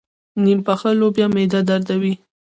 نيم پخه لوبیا معده دردوي.